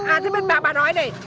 à thế bà bà nói này